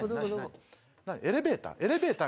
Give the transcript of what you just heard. エレベーター？